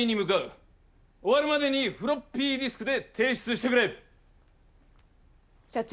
終わるまでにフロッピーディスクで提出してくれ。社長。